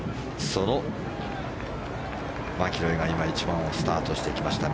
そのマキロイが今１番をスタートしていきました。